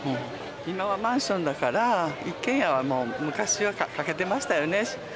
今はマンションだから一軒家はもう昔はかけてましたよね